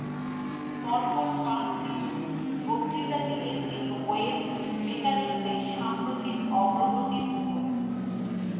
পরপর পাঁচটি বক্তৃতা দিলেন তিনি ওয়েভ মেকানিক্সের সাম্প্রতিক অগ্রগতির ওপর।